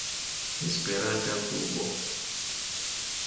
Esperanta klubo.